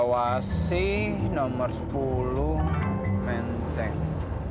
mau mempermalukan tante